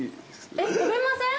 えっ食べません？